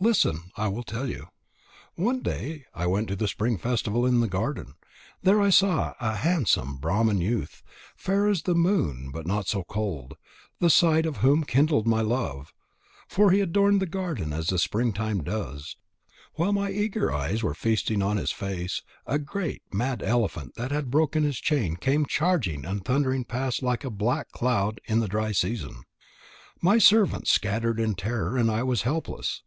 Listen. I will tell you. One day I went to the spring festival in the garden. There I saw a handsome Brahman youth, fair as the moon but not so cold, the sight of whom kindled my love. For he adorned the garden as the spring time does. While my eager eyes were feasting on his face, a great mad elephant that had broken his chain came charging and thundering past like a black cloud in the dry season. My servants scattered in terror, and I was helpless.